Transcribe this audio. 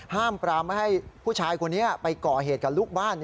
ห้ามปรามไม่ให้ผู้ชายคนนี้ไปก่อเหตุกับลูกบ้าน